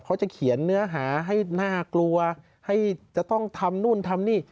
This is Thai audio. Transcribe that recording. เขาจะเขียนเนื้อหาให้น่ากลัวให้จะต้องทำนู่นทำนี่